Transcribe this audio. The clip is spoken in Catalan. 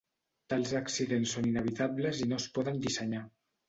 Tals accidents són inevitables i no es poden dissenyar.